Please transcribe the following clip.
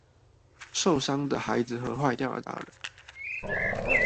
受傷的孩子和壞掉的大人